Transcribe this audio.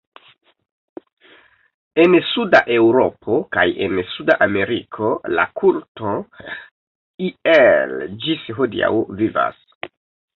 En Suda Eŭropo kaj en Suda Ameriko la kulto iel ĝis hodiaŭ vivas.